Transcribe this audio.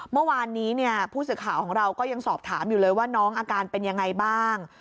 เมื่อวานนี้ผู้สื่อข่าวของเราก็ยังสอบถามอยู่เลยว่าน้องอาการเป็นยังไงบ้าง